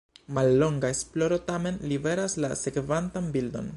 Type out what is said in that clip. Mallonga esploro tamen liveras la sekvantan bildon.